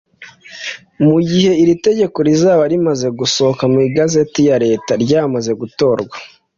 Mu gihe iri tegeko rizaba rimaze gusohoka mu igazeti ya Leta [ryamaze gutorwa]